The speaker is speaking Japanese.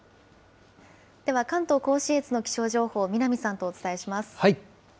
では関東甲信越の気象情報、南さんとお伝えします。